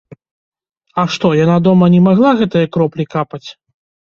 А што, яна дома не магла гэтыя кроплі капаць?